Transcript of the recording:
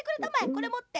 これもって。